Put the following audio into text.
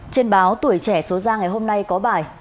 trên báo tuổi trẻ số ra ngày hôm nay có bài